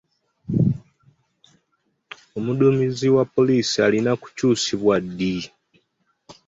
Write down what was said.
Omudduumizi wa poliisi alina kukyusibwa ddi?